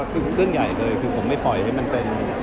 คือเรื่องใหญ่เลยคือผมไม่ปล่อยให้มันเป็น